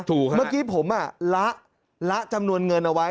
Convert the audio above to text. เมื่อกี้ผมละจำนวนเงินเอาไว้